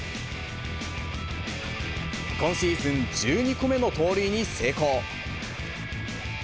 今シーズン１２個目の盗塁に成功。